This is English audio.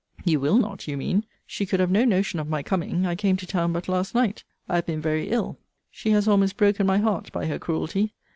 You will not, you mean. She could have no notion of my coming. I came to town but last night. I have been very ill. She has almost broken my heart by her cruelty.